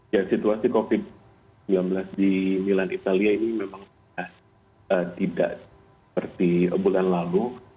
ya situasi covid sembilan belas di milan italia ini memang tidak seperti bulan lalu